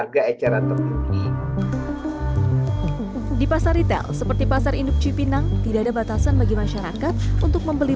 di pasar ritel seperti pasar induk cipinang tidak ada batasan bagi masyarakat untuk membeli